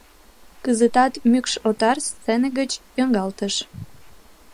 Кызытат «Мӱкш отар» сцене гыч йоҥгалтеш.